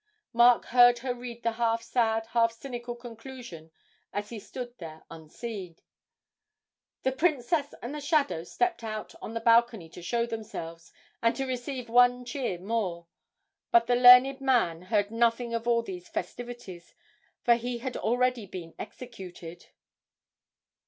Mark heard her read the half sad, half cynical conclusion as he stood there unseen: '"The Princess and the Shadow stepped out on the balcony to show themselves, and to receive one cheer more. But the learned man heard nothing of all these festivities for he had already been executed."